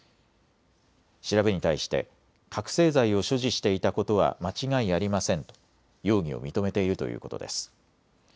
調べに対して覚醒剤を所持していたことは間違いありませんと容疑を認めているということです。